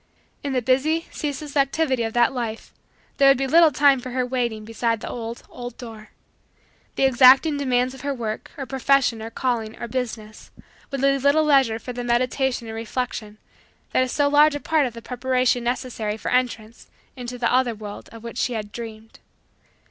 In the busy, ceaseless, activity of that life there would be little time for her waiting beside the old, old, door. The exacting demands of her work, or profession, or calling, or business, would leave little leisure for the meditation and reflection that is so large a part of the preparation necessary for entrance into that other world of which she had dreamed.